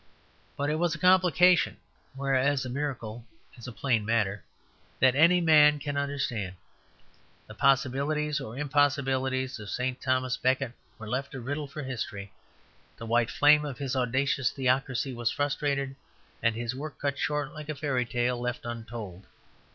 But it was a complication, whereas a miracle is a plain matter that any man can understand. The possibilities or impossibilities of St. Thomas Becket were left a riddle for history; the white flame of his audacious theocracy was frustrated, and his work cut short like a fairy tale left untold.